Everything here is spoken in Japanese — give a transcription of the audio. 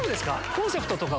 コンセプトとか。